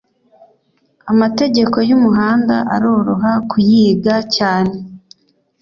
Amategeko y’umuhanda aroroha kuyiga cyane